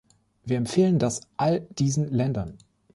Wir empfehlen das all diesen Ländern.